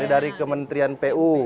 dari kementrian pu